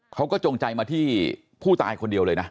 จงใจมาที่ผู้ตายคนเดียวเลยนะ